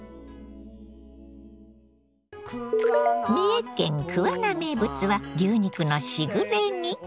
三重県桑名名物は牛肉のしぐれ煮。